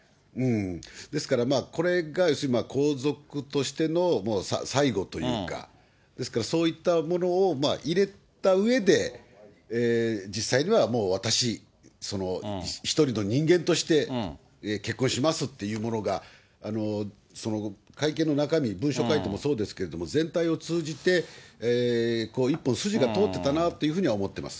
ですから、これが要するに皇族としての最後というか、ですからそういったものを入れたうえで、実際にはもう私、一人の人間として結婚しますっていうものが、会見の中身、文書回答もそうですけれども、全体を通じて、一本筋が通ってたなというふうに思ってます。